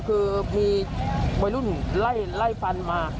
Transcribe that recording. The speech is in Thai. คือมีวัยรุ่นไล่ฟันมา